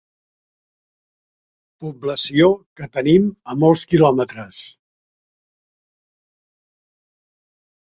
Població que tenim a molts quilòmetres.